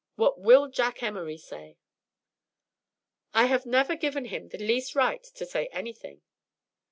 What will Jack Emory say?" "I have never given him the least right to say anything."